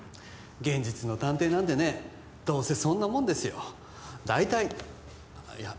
現実の探偵なんてねどうせそんなもんですよ大体あっいや